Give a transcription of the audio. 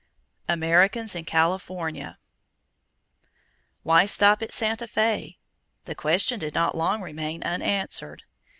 Americans in California. Why stop at Santa Fé? The question did not long remain unanswered.